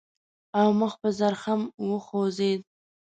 او مخ په زرخم وخوځېد.